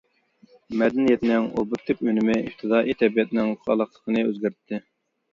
مەدەنىيەتنىڭ ئوبيېكتىپ ئۈنۈمى ئىپتىدائىي تەبىئەتنىڭ قالاقلىقىنى ئۆزگەرتتى.